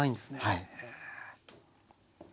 はい。